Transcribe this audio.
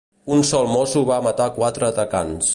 Un sol mosso va matar quatre atacants.